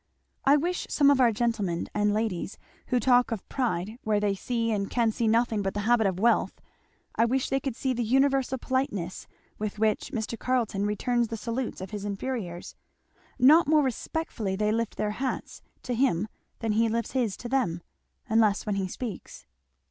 I wish some of our gentlemen, and ladies, who talk of pride where they see and can see nothing but the habit of wealth I wish they could see the universal politeness with which Mr. Carleton returns the salutes of his inferiors. Not more respectfully they lift their hats to him than he lifts his to them unless when he speaks."